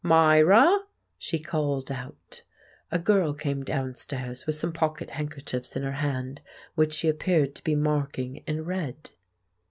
"Myra," she called out. A girl came downstairs with some pocket handkerchiefs in her hand which she appeared to be marking in red.